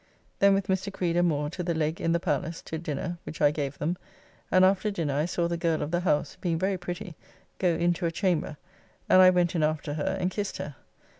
Then with Mr. Creed and Moore to the Leg in the Palace to dinner which I gave them, and after dinner I saw the girl of the house, being very pretty, go into a chamber, and I went in after her and kissed her.